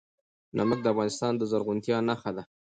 نمک د افغانستان د زرغونتیا نښه ده.